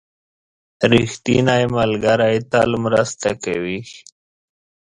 • ریښتینی ملګری تل مرسته کوي.